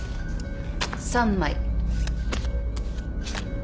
３枚。